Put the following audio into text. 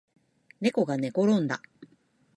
ねこがねころんだ